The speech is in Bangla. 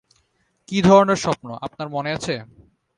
কী ধরনের স্বপ্ন, আপনার মনে আছে?